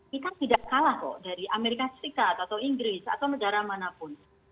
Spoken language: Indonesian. kita tidak kalah kok dari amerika serikat atau inggris atau negara manapun